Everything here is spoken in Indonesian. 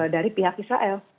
dari pihak israel